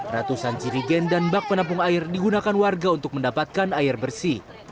ratusan cirigen dan bak penampung air digunakan warga untuk mendapatkan air bersih